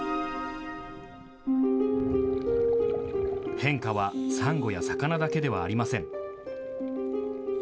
変化はサンゴや魚だけではありません。